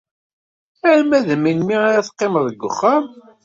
Arma d melmi ara teqqimed deg uxxam?